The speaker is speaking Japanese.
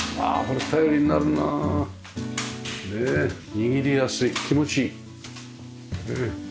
握りやすい気持ちいい。